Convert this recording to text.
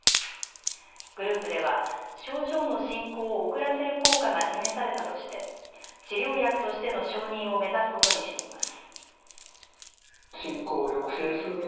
グループでは症状の進行を遅らせる効果が示されたとして治療薬としての承認を目指すことにしています。